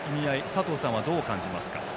佐藤さんはどう感じますか？